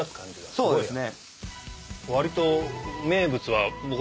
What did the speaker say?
そうですね。